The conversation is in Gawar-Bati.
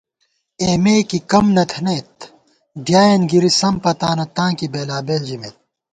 اېمےکی کم نہ تھنَئیت ڈیائین گِرِی سم پتانہ تاں کی بېلابېل ژِمېت